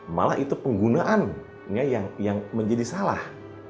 malah itu penggunaannya yang menjadi salah